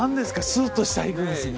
スッと下行くんですね。